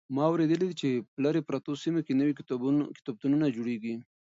ما اورېدلي دي چې په لرې پرتو سیمو کې نوي کتابتونونه جوړېږي.